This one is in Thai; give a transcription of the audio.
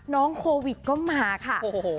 น้องโควิดก็มาค่ะ